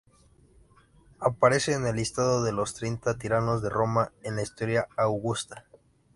Aparece en el listado de los Treinta Tiranos de Roma en la Historia Augusta.